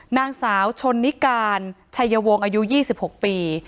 นางสาวชนนิการชัยวงศ์อายุ๒๖ปี